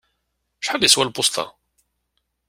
Acḥal yeswa lpuṣt-a?